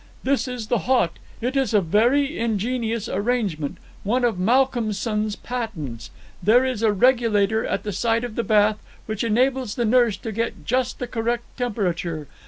"This is the hot. It is a very ingenious arrangement, one of Malcolmson's patents. There is a regulator at the side of the bath which enables the nurse to get just the correct temperature.